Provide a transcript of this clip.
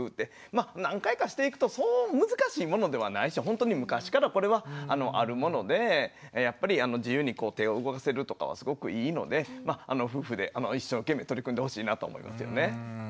まあ何回かしていくとそう難しいものではないしほんとに昔からこれはあるものでやっぱり自由に手を動かせるとかはすごくいいのでまあ夫婦で一生懸命取り組んでほしいなと思いますよね。